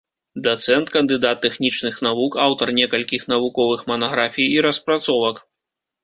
Дацэнт, кандыдат тэхнічных навук, аўтар некалькіх навуковых манаграфій і распрацовак.